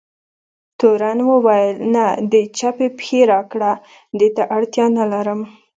تورن وویل: نه، د چپې پښې راکړه، دې ته اړتیا نه لرم.